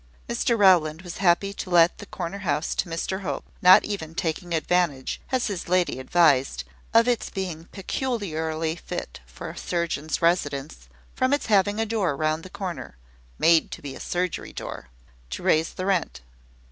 Mr Rowland was happy to let the corner house to Mr Hope, not even taking advantage, as his lady advised, of its being peculiarly fit for a surgeon's residence, from its having a door round the corner (made to be a surgery door!), to raise the rent.